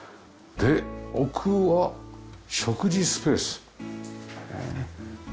で奥は食事スペース。